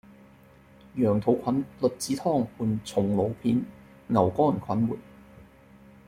羊肚菌栗子湯伴松露片．牛肝菌末